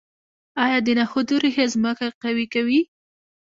آیا د نخودو ریښې ځمکه قوي کوي؟